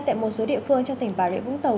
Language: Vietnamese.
tại một số địa phương trong tỉnh bà rịa vũng tàu